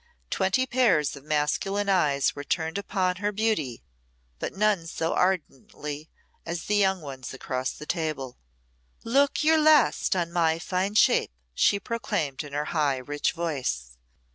Twenty pairs of masculine eyes were turned upon her beauty, but none so ardently as the young one's across the table. "Look your last on my fine shape," she proclaimed in her high, rich voice.